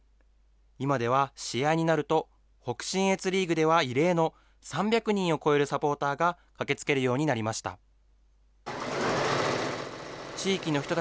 今では試合になると、北信越リーグでは異例の３００人を超えるサポーターが駆けつけるようになりました。